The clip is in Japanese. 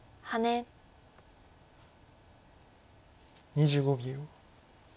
２５秒。